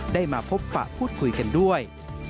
ได้มาพบปะพูดคุยกันด้วย